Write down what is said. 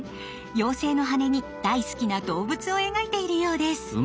妖精の羽に大好きな動物を描いているようです。